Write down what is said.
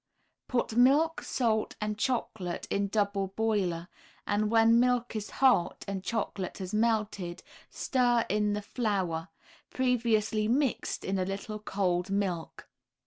Put milk, salt and chocolate in double boiler, and when milk is hot and chocolate has melted, stir in the flour, previously mixed in a little cold milk.